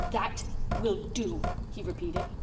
"That will do," he repeated.